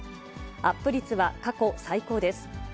アップ率は過去最高です。